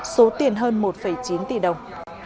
số tiền hơn một chín tỷ đồng